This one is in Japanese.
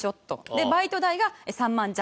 でバイト代が３万弱。